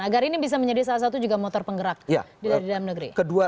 agar ini bisa menjadi salah satu juga motor penggerak di dalam negeri